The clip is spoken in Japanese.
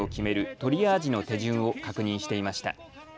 トリアージの手順を確認していました。